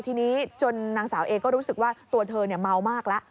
ทีนี้จนนางสาวเอก็รู้สึกว่าตัวเธอเมามากแล้ว